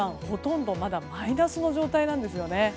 ほとんどマイナスの状態なんですね。